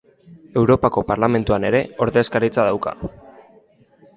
Europako Parlamentuan ere ordezkaritza dauka.